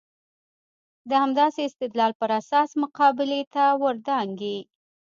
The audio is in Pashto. د همداسې استدلال پر اساس مقابلې ته ور دانګي.